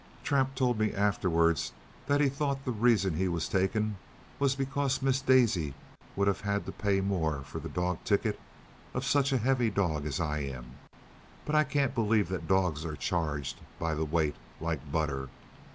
Trap told me afterwards that he thought the reason he was taken was because Miss Daisy would have had more to pay for the dog ticket of such a heavy dog as I am; but I can't believe that dogs are charged for by the weight, like butter.